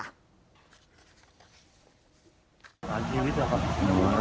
ต่างชีวิตเหรอครับ